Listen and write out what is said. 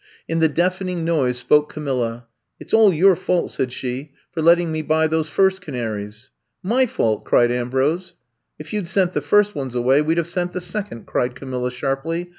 In the deafening noise spoke Ca ^ milla : It 's all your fault,*' said she, for let ^ ting me buy those first canaries. '' My fault f cried Ambrose. If you 'd sent the first ones away, we 'd have sent the second, *' cried Camilla sharply.